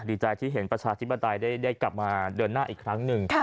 ดีใจที่เห็นประชาธิปไตยได้กลับมาเดินหน้าอีกครั้งหนึ่ง